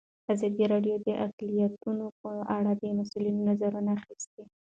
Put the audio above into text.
ازادي راډیو د اقلیتونه په اړه د مسؤلینو نظرونه اخیستي.